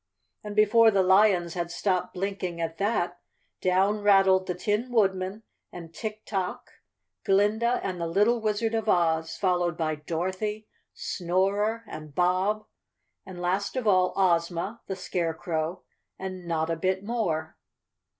And before the lions had stopped blinking at that, down rattled the Tin Woodman and Tik Tok, Glinda and the little Wizard of Oz, followed by Dorothy, Snorer and Bob and last of all, Ozma, the Scarecrow and Notta Bit More.